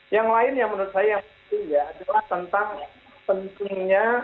yang lain yang menurut saya yang penting ya adalah tentang pentingnya